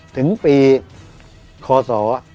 ถึงปีคศ๒๐๑๓